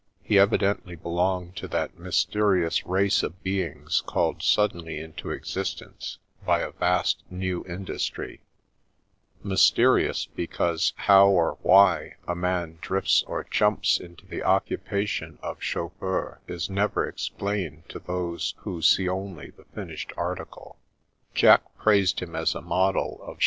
He evidently belonged to that mys terious race of beings called suddenly into existence by a vast new industry ; mysterious, because how or why a man drifts or jumps into the occupation of chauffeur is never explained to those who see only the finished article. Jack praised him as a model of.